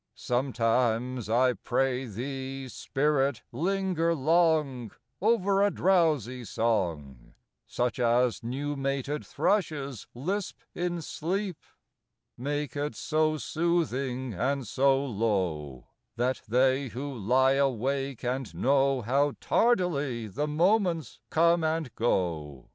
Sometimes, I pray thee, Spirit, linger long, Over a drowsy song, Such as new mated thrushes lisp in sleep ; Make it so soothing and so low That they who lie awake and know How tardily the moments come and go EXALTATION.